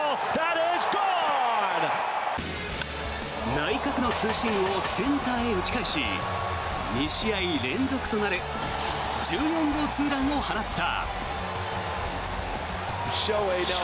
内角のツーシームをセンターへ打ち返し２試合連続となる１４号ツーランを放った。